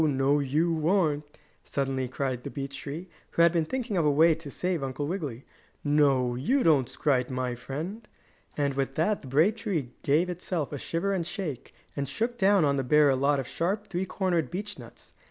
No, you aren't!" suddenly cried the beech tree, who had been thinking of a way to save Uncle Wiggily. "No, you don't scrite my friend!" And with that the brave tree gave itself a shiver and shake, and shook down on the bear a lot of sharp, three cornered beech nuts.